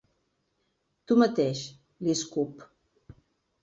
Tu mateix —li escup—.